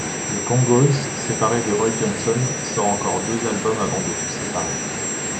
The Congos, séparé de Roy Johnson, sort encore deux albums avant de se séparer.